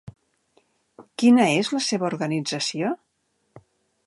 Quina és la seva organització?